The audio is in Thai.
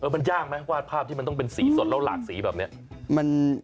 มันยากไหมวาดภาพที่มันต้องเป็นสีสดแล้วหลากสีแบบนี้